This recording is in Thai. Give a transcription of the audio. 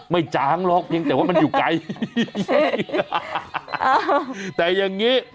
ไม่จางหรอกเพียงแต่ว่ามันอยู่ไกลแต่แบบนี้